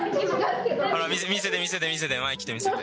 見せて、見せて、見せて、前来て見せて。